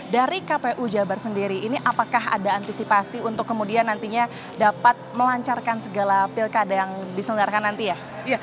dari kpu jabar sendiri ini apakah ada antisipasi untuk kemudian nantinya dapat melancarkan segala pilkada yang diselenggarakan nanti ya